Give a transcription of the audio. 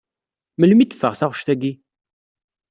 Melmi i d-teffeɣ taɣect agi?